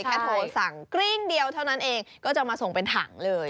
แค่โทรสั่งกริ้งเดียวเท่านั้นเองก็จะมาส่งเป็นถังเลย